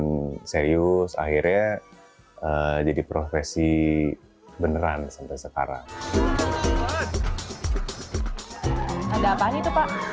dan serius akhirnya jadi profesi beneran sampai sekarang